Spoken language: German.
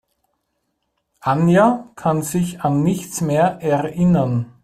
Anja kann sich an nichts mehr erinnern.